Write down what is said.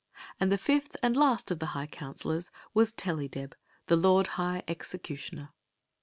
And the fifth and last of the high counselors was Tellydeb, the lord high executioner.